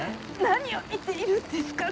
何を煮ているんですか？